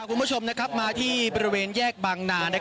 คุณผู้ชมมาที่บริเวณแยกบางนา